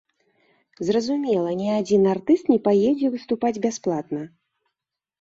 Зразумела, ні адзін артыст не паедзе выступаць бясплатна.